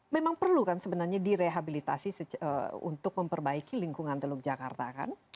memang perlu kan sebenarnya direhabilitasi untuk memperbaiki lingkungan teluk jakarta kan